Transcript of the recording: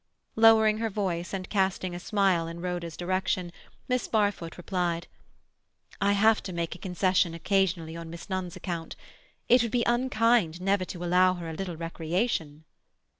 Lowering her voice, and casting a smile in Rhoda's direction, Miss Barfoot replied,— "I have to make a concession occasionally on Miss Nunn's account. It would be unkind never to allow her a little recreation."